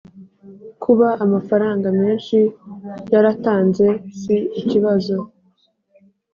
kuba amafaranga menshi yartanze si ikibazo